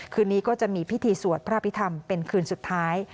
คืนนี้ก็จะมีพิธีสวดพระพิธรรมเป็นคืนสุดท้าย